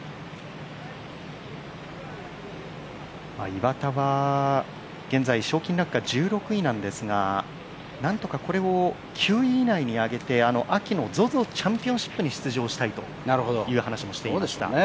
岩田は現在賞金ランクが１６位なんですがなんとかこれを９位以内に上げて、秋のＺＯＺＯチャンピオンシップに出場したいという話もしていました。